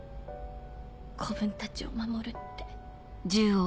子分たちを守るって。